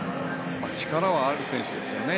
力はある選手ですよね。